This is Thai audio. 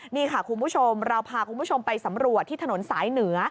นี่ค่ะคุณผู้ชมเราพาคุณผู้ชมไปสำรวจที่ถนนสายเหนือ